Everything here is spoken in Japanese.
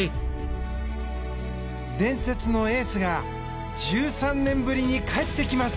伝説のエースが１３年ぶりに帰ってきます！